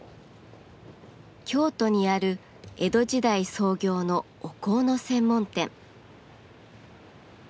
京都にある江戸時代創業のお香の専門店。